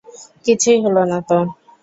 কিছুই হলো না তো।